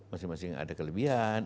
masing masing ada kelebihan